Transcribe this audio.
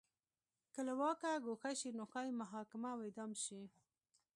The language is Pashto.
که له واکه ګوښه شي نو ښايي محاکمه او اعدام شي.